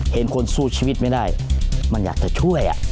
เห็นคนสู้ชีวิตไม่ได้มันอยากจะช่วย